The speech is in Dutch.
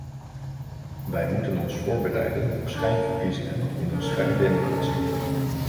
Wij moeten ons voorbereiden op schijnverkiezingen in een schijndemocratie.